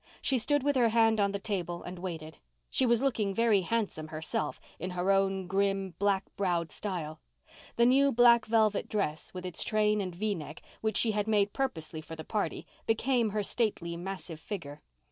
She stood with her hand on the table and waited. She was looking very handsome herself, in her own grim, black browed style. The new black velvet dress, with its train and V neck, which she had made purposely for the party, became her stately, massive figure.